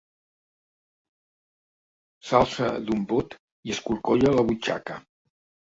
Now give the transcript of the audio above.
S'alça d'un bot i escorcolla la butxaca.